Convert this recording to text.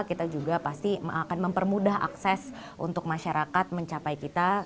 kita juga pasti akan mempermudah akses untuk masyarakat mencapai kita